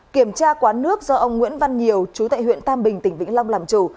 kiểm tra quán nước do ông nguyễn văn nhiều chú tại huyện tam bình tỉnh vĩnh long làm chủ